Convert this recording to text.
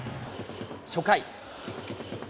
初回。